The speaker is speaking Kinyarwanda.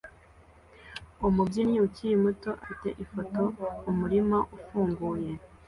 Umubyinnyi ukiri muto afite ifoto mumurima ufunguye